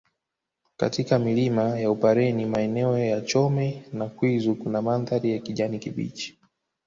Katika milima ya upareni maeneo ya Chome na Kwizu kuna mandhari ya kijani kibichi